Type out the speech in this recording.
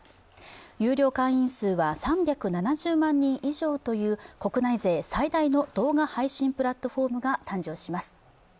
有料会員数は３７０万人以上とという国内勢最大の動画配信プラットフォームが誕生します。